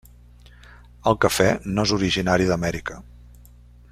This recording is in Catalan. El cafè no és originari d'Amèrica.